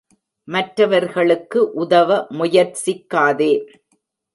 மற்றவர்களுக்கு உதவ முயற்சிக்காதே.